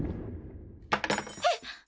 えっ？